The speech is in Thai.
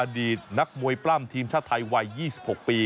ดีตนักมวยปล้ำทีมชาติไทยวัย๒๖ปี